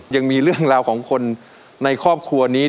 ยังมีเรื่องราวของคนในครอบครัวนี้